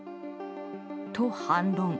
と、反論。